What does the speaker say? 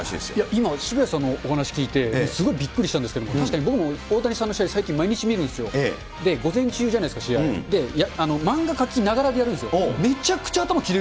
今、渋谷さんのお話聞いて、すごいびっくりしたんですけど、僕も大谷さんの試合、最近毎日見るんですよ、午前中じゃないですか、試合、漫画描きながらでやるんですよ。